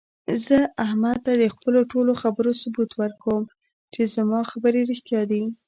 زه احمد ته د خپلو ټولو خبرو ثبوت ورکوم، چې زما خبرې رښتیا دي.